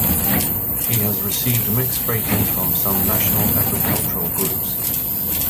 He has received mixed ratings from some national agricultural groups.